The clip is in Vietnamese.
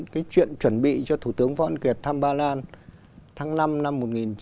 cái chuyện chuẩn bị cho thủ tướng võ ân kiệt thăm ba lan tháng năm năm một nghìn chín trăm chín mươi bảy